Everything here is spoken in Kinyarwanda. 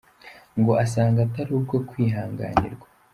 Ngo asanga atari ubwo kwihanganirwa.